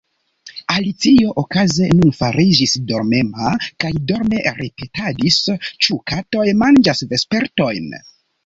Alicio okaze nun fariĝis dormema, kaj dorme ripetadis: "Ĉu katoj manĝas vespertojn? »